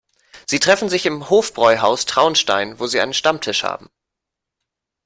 Sie treffen sich im Hofbräuhaus Traunstein, wo sie einen Stammtisch haben.